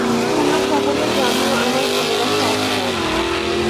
তোমরা সকলে জানিও আমার ভালবাসা অফুরান।